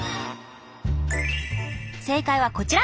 正解はこちら。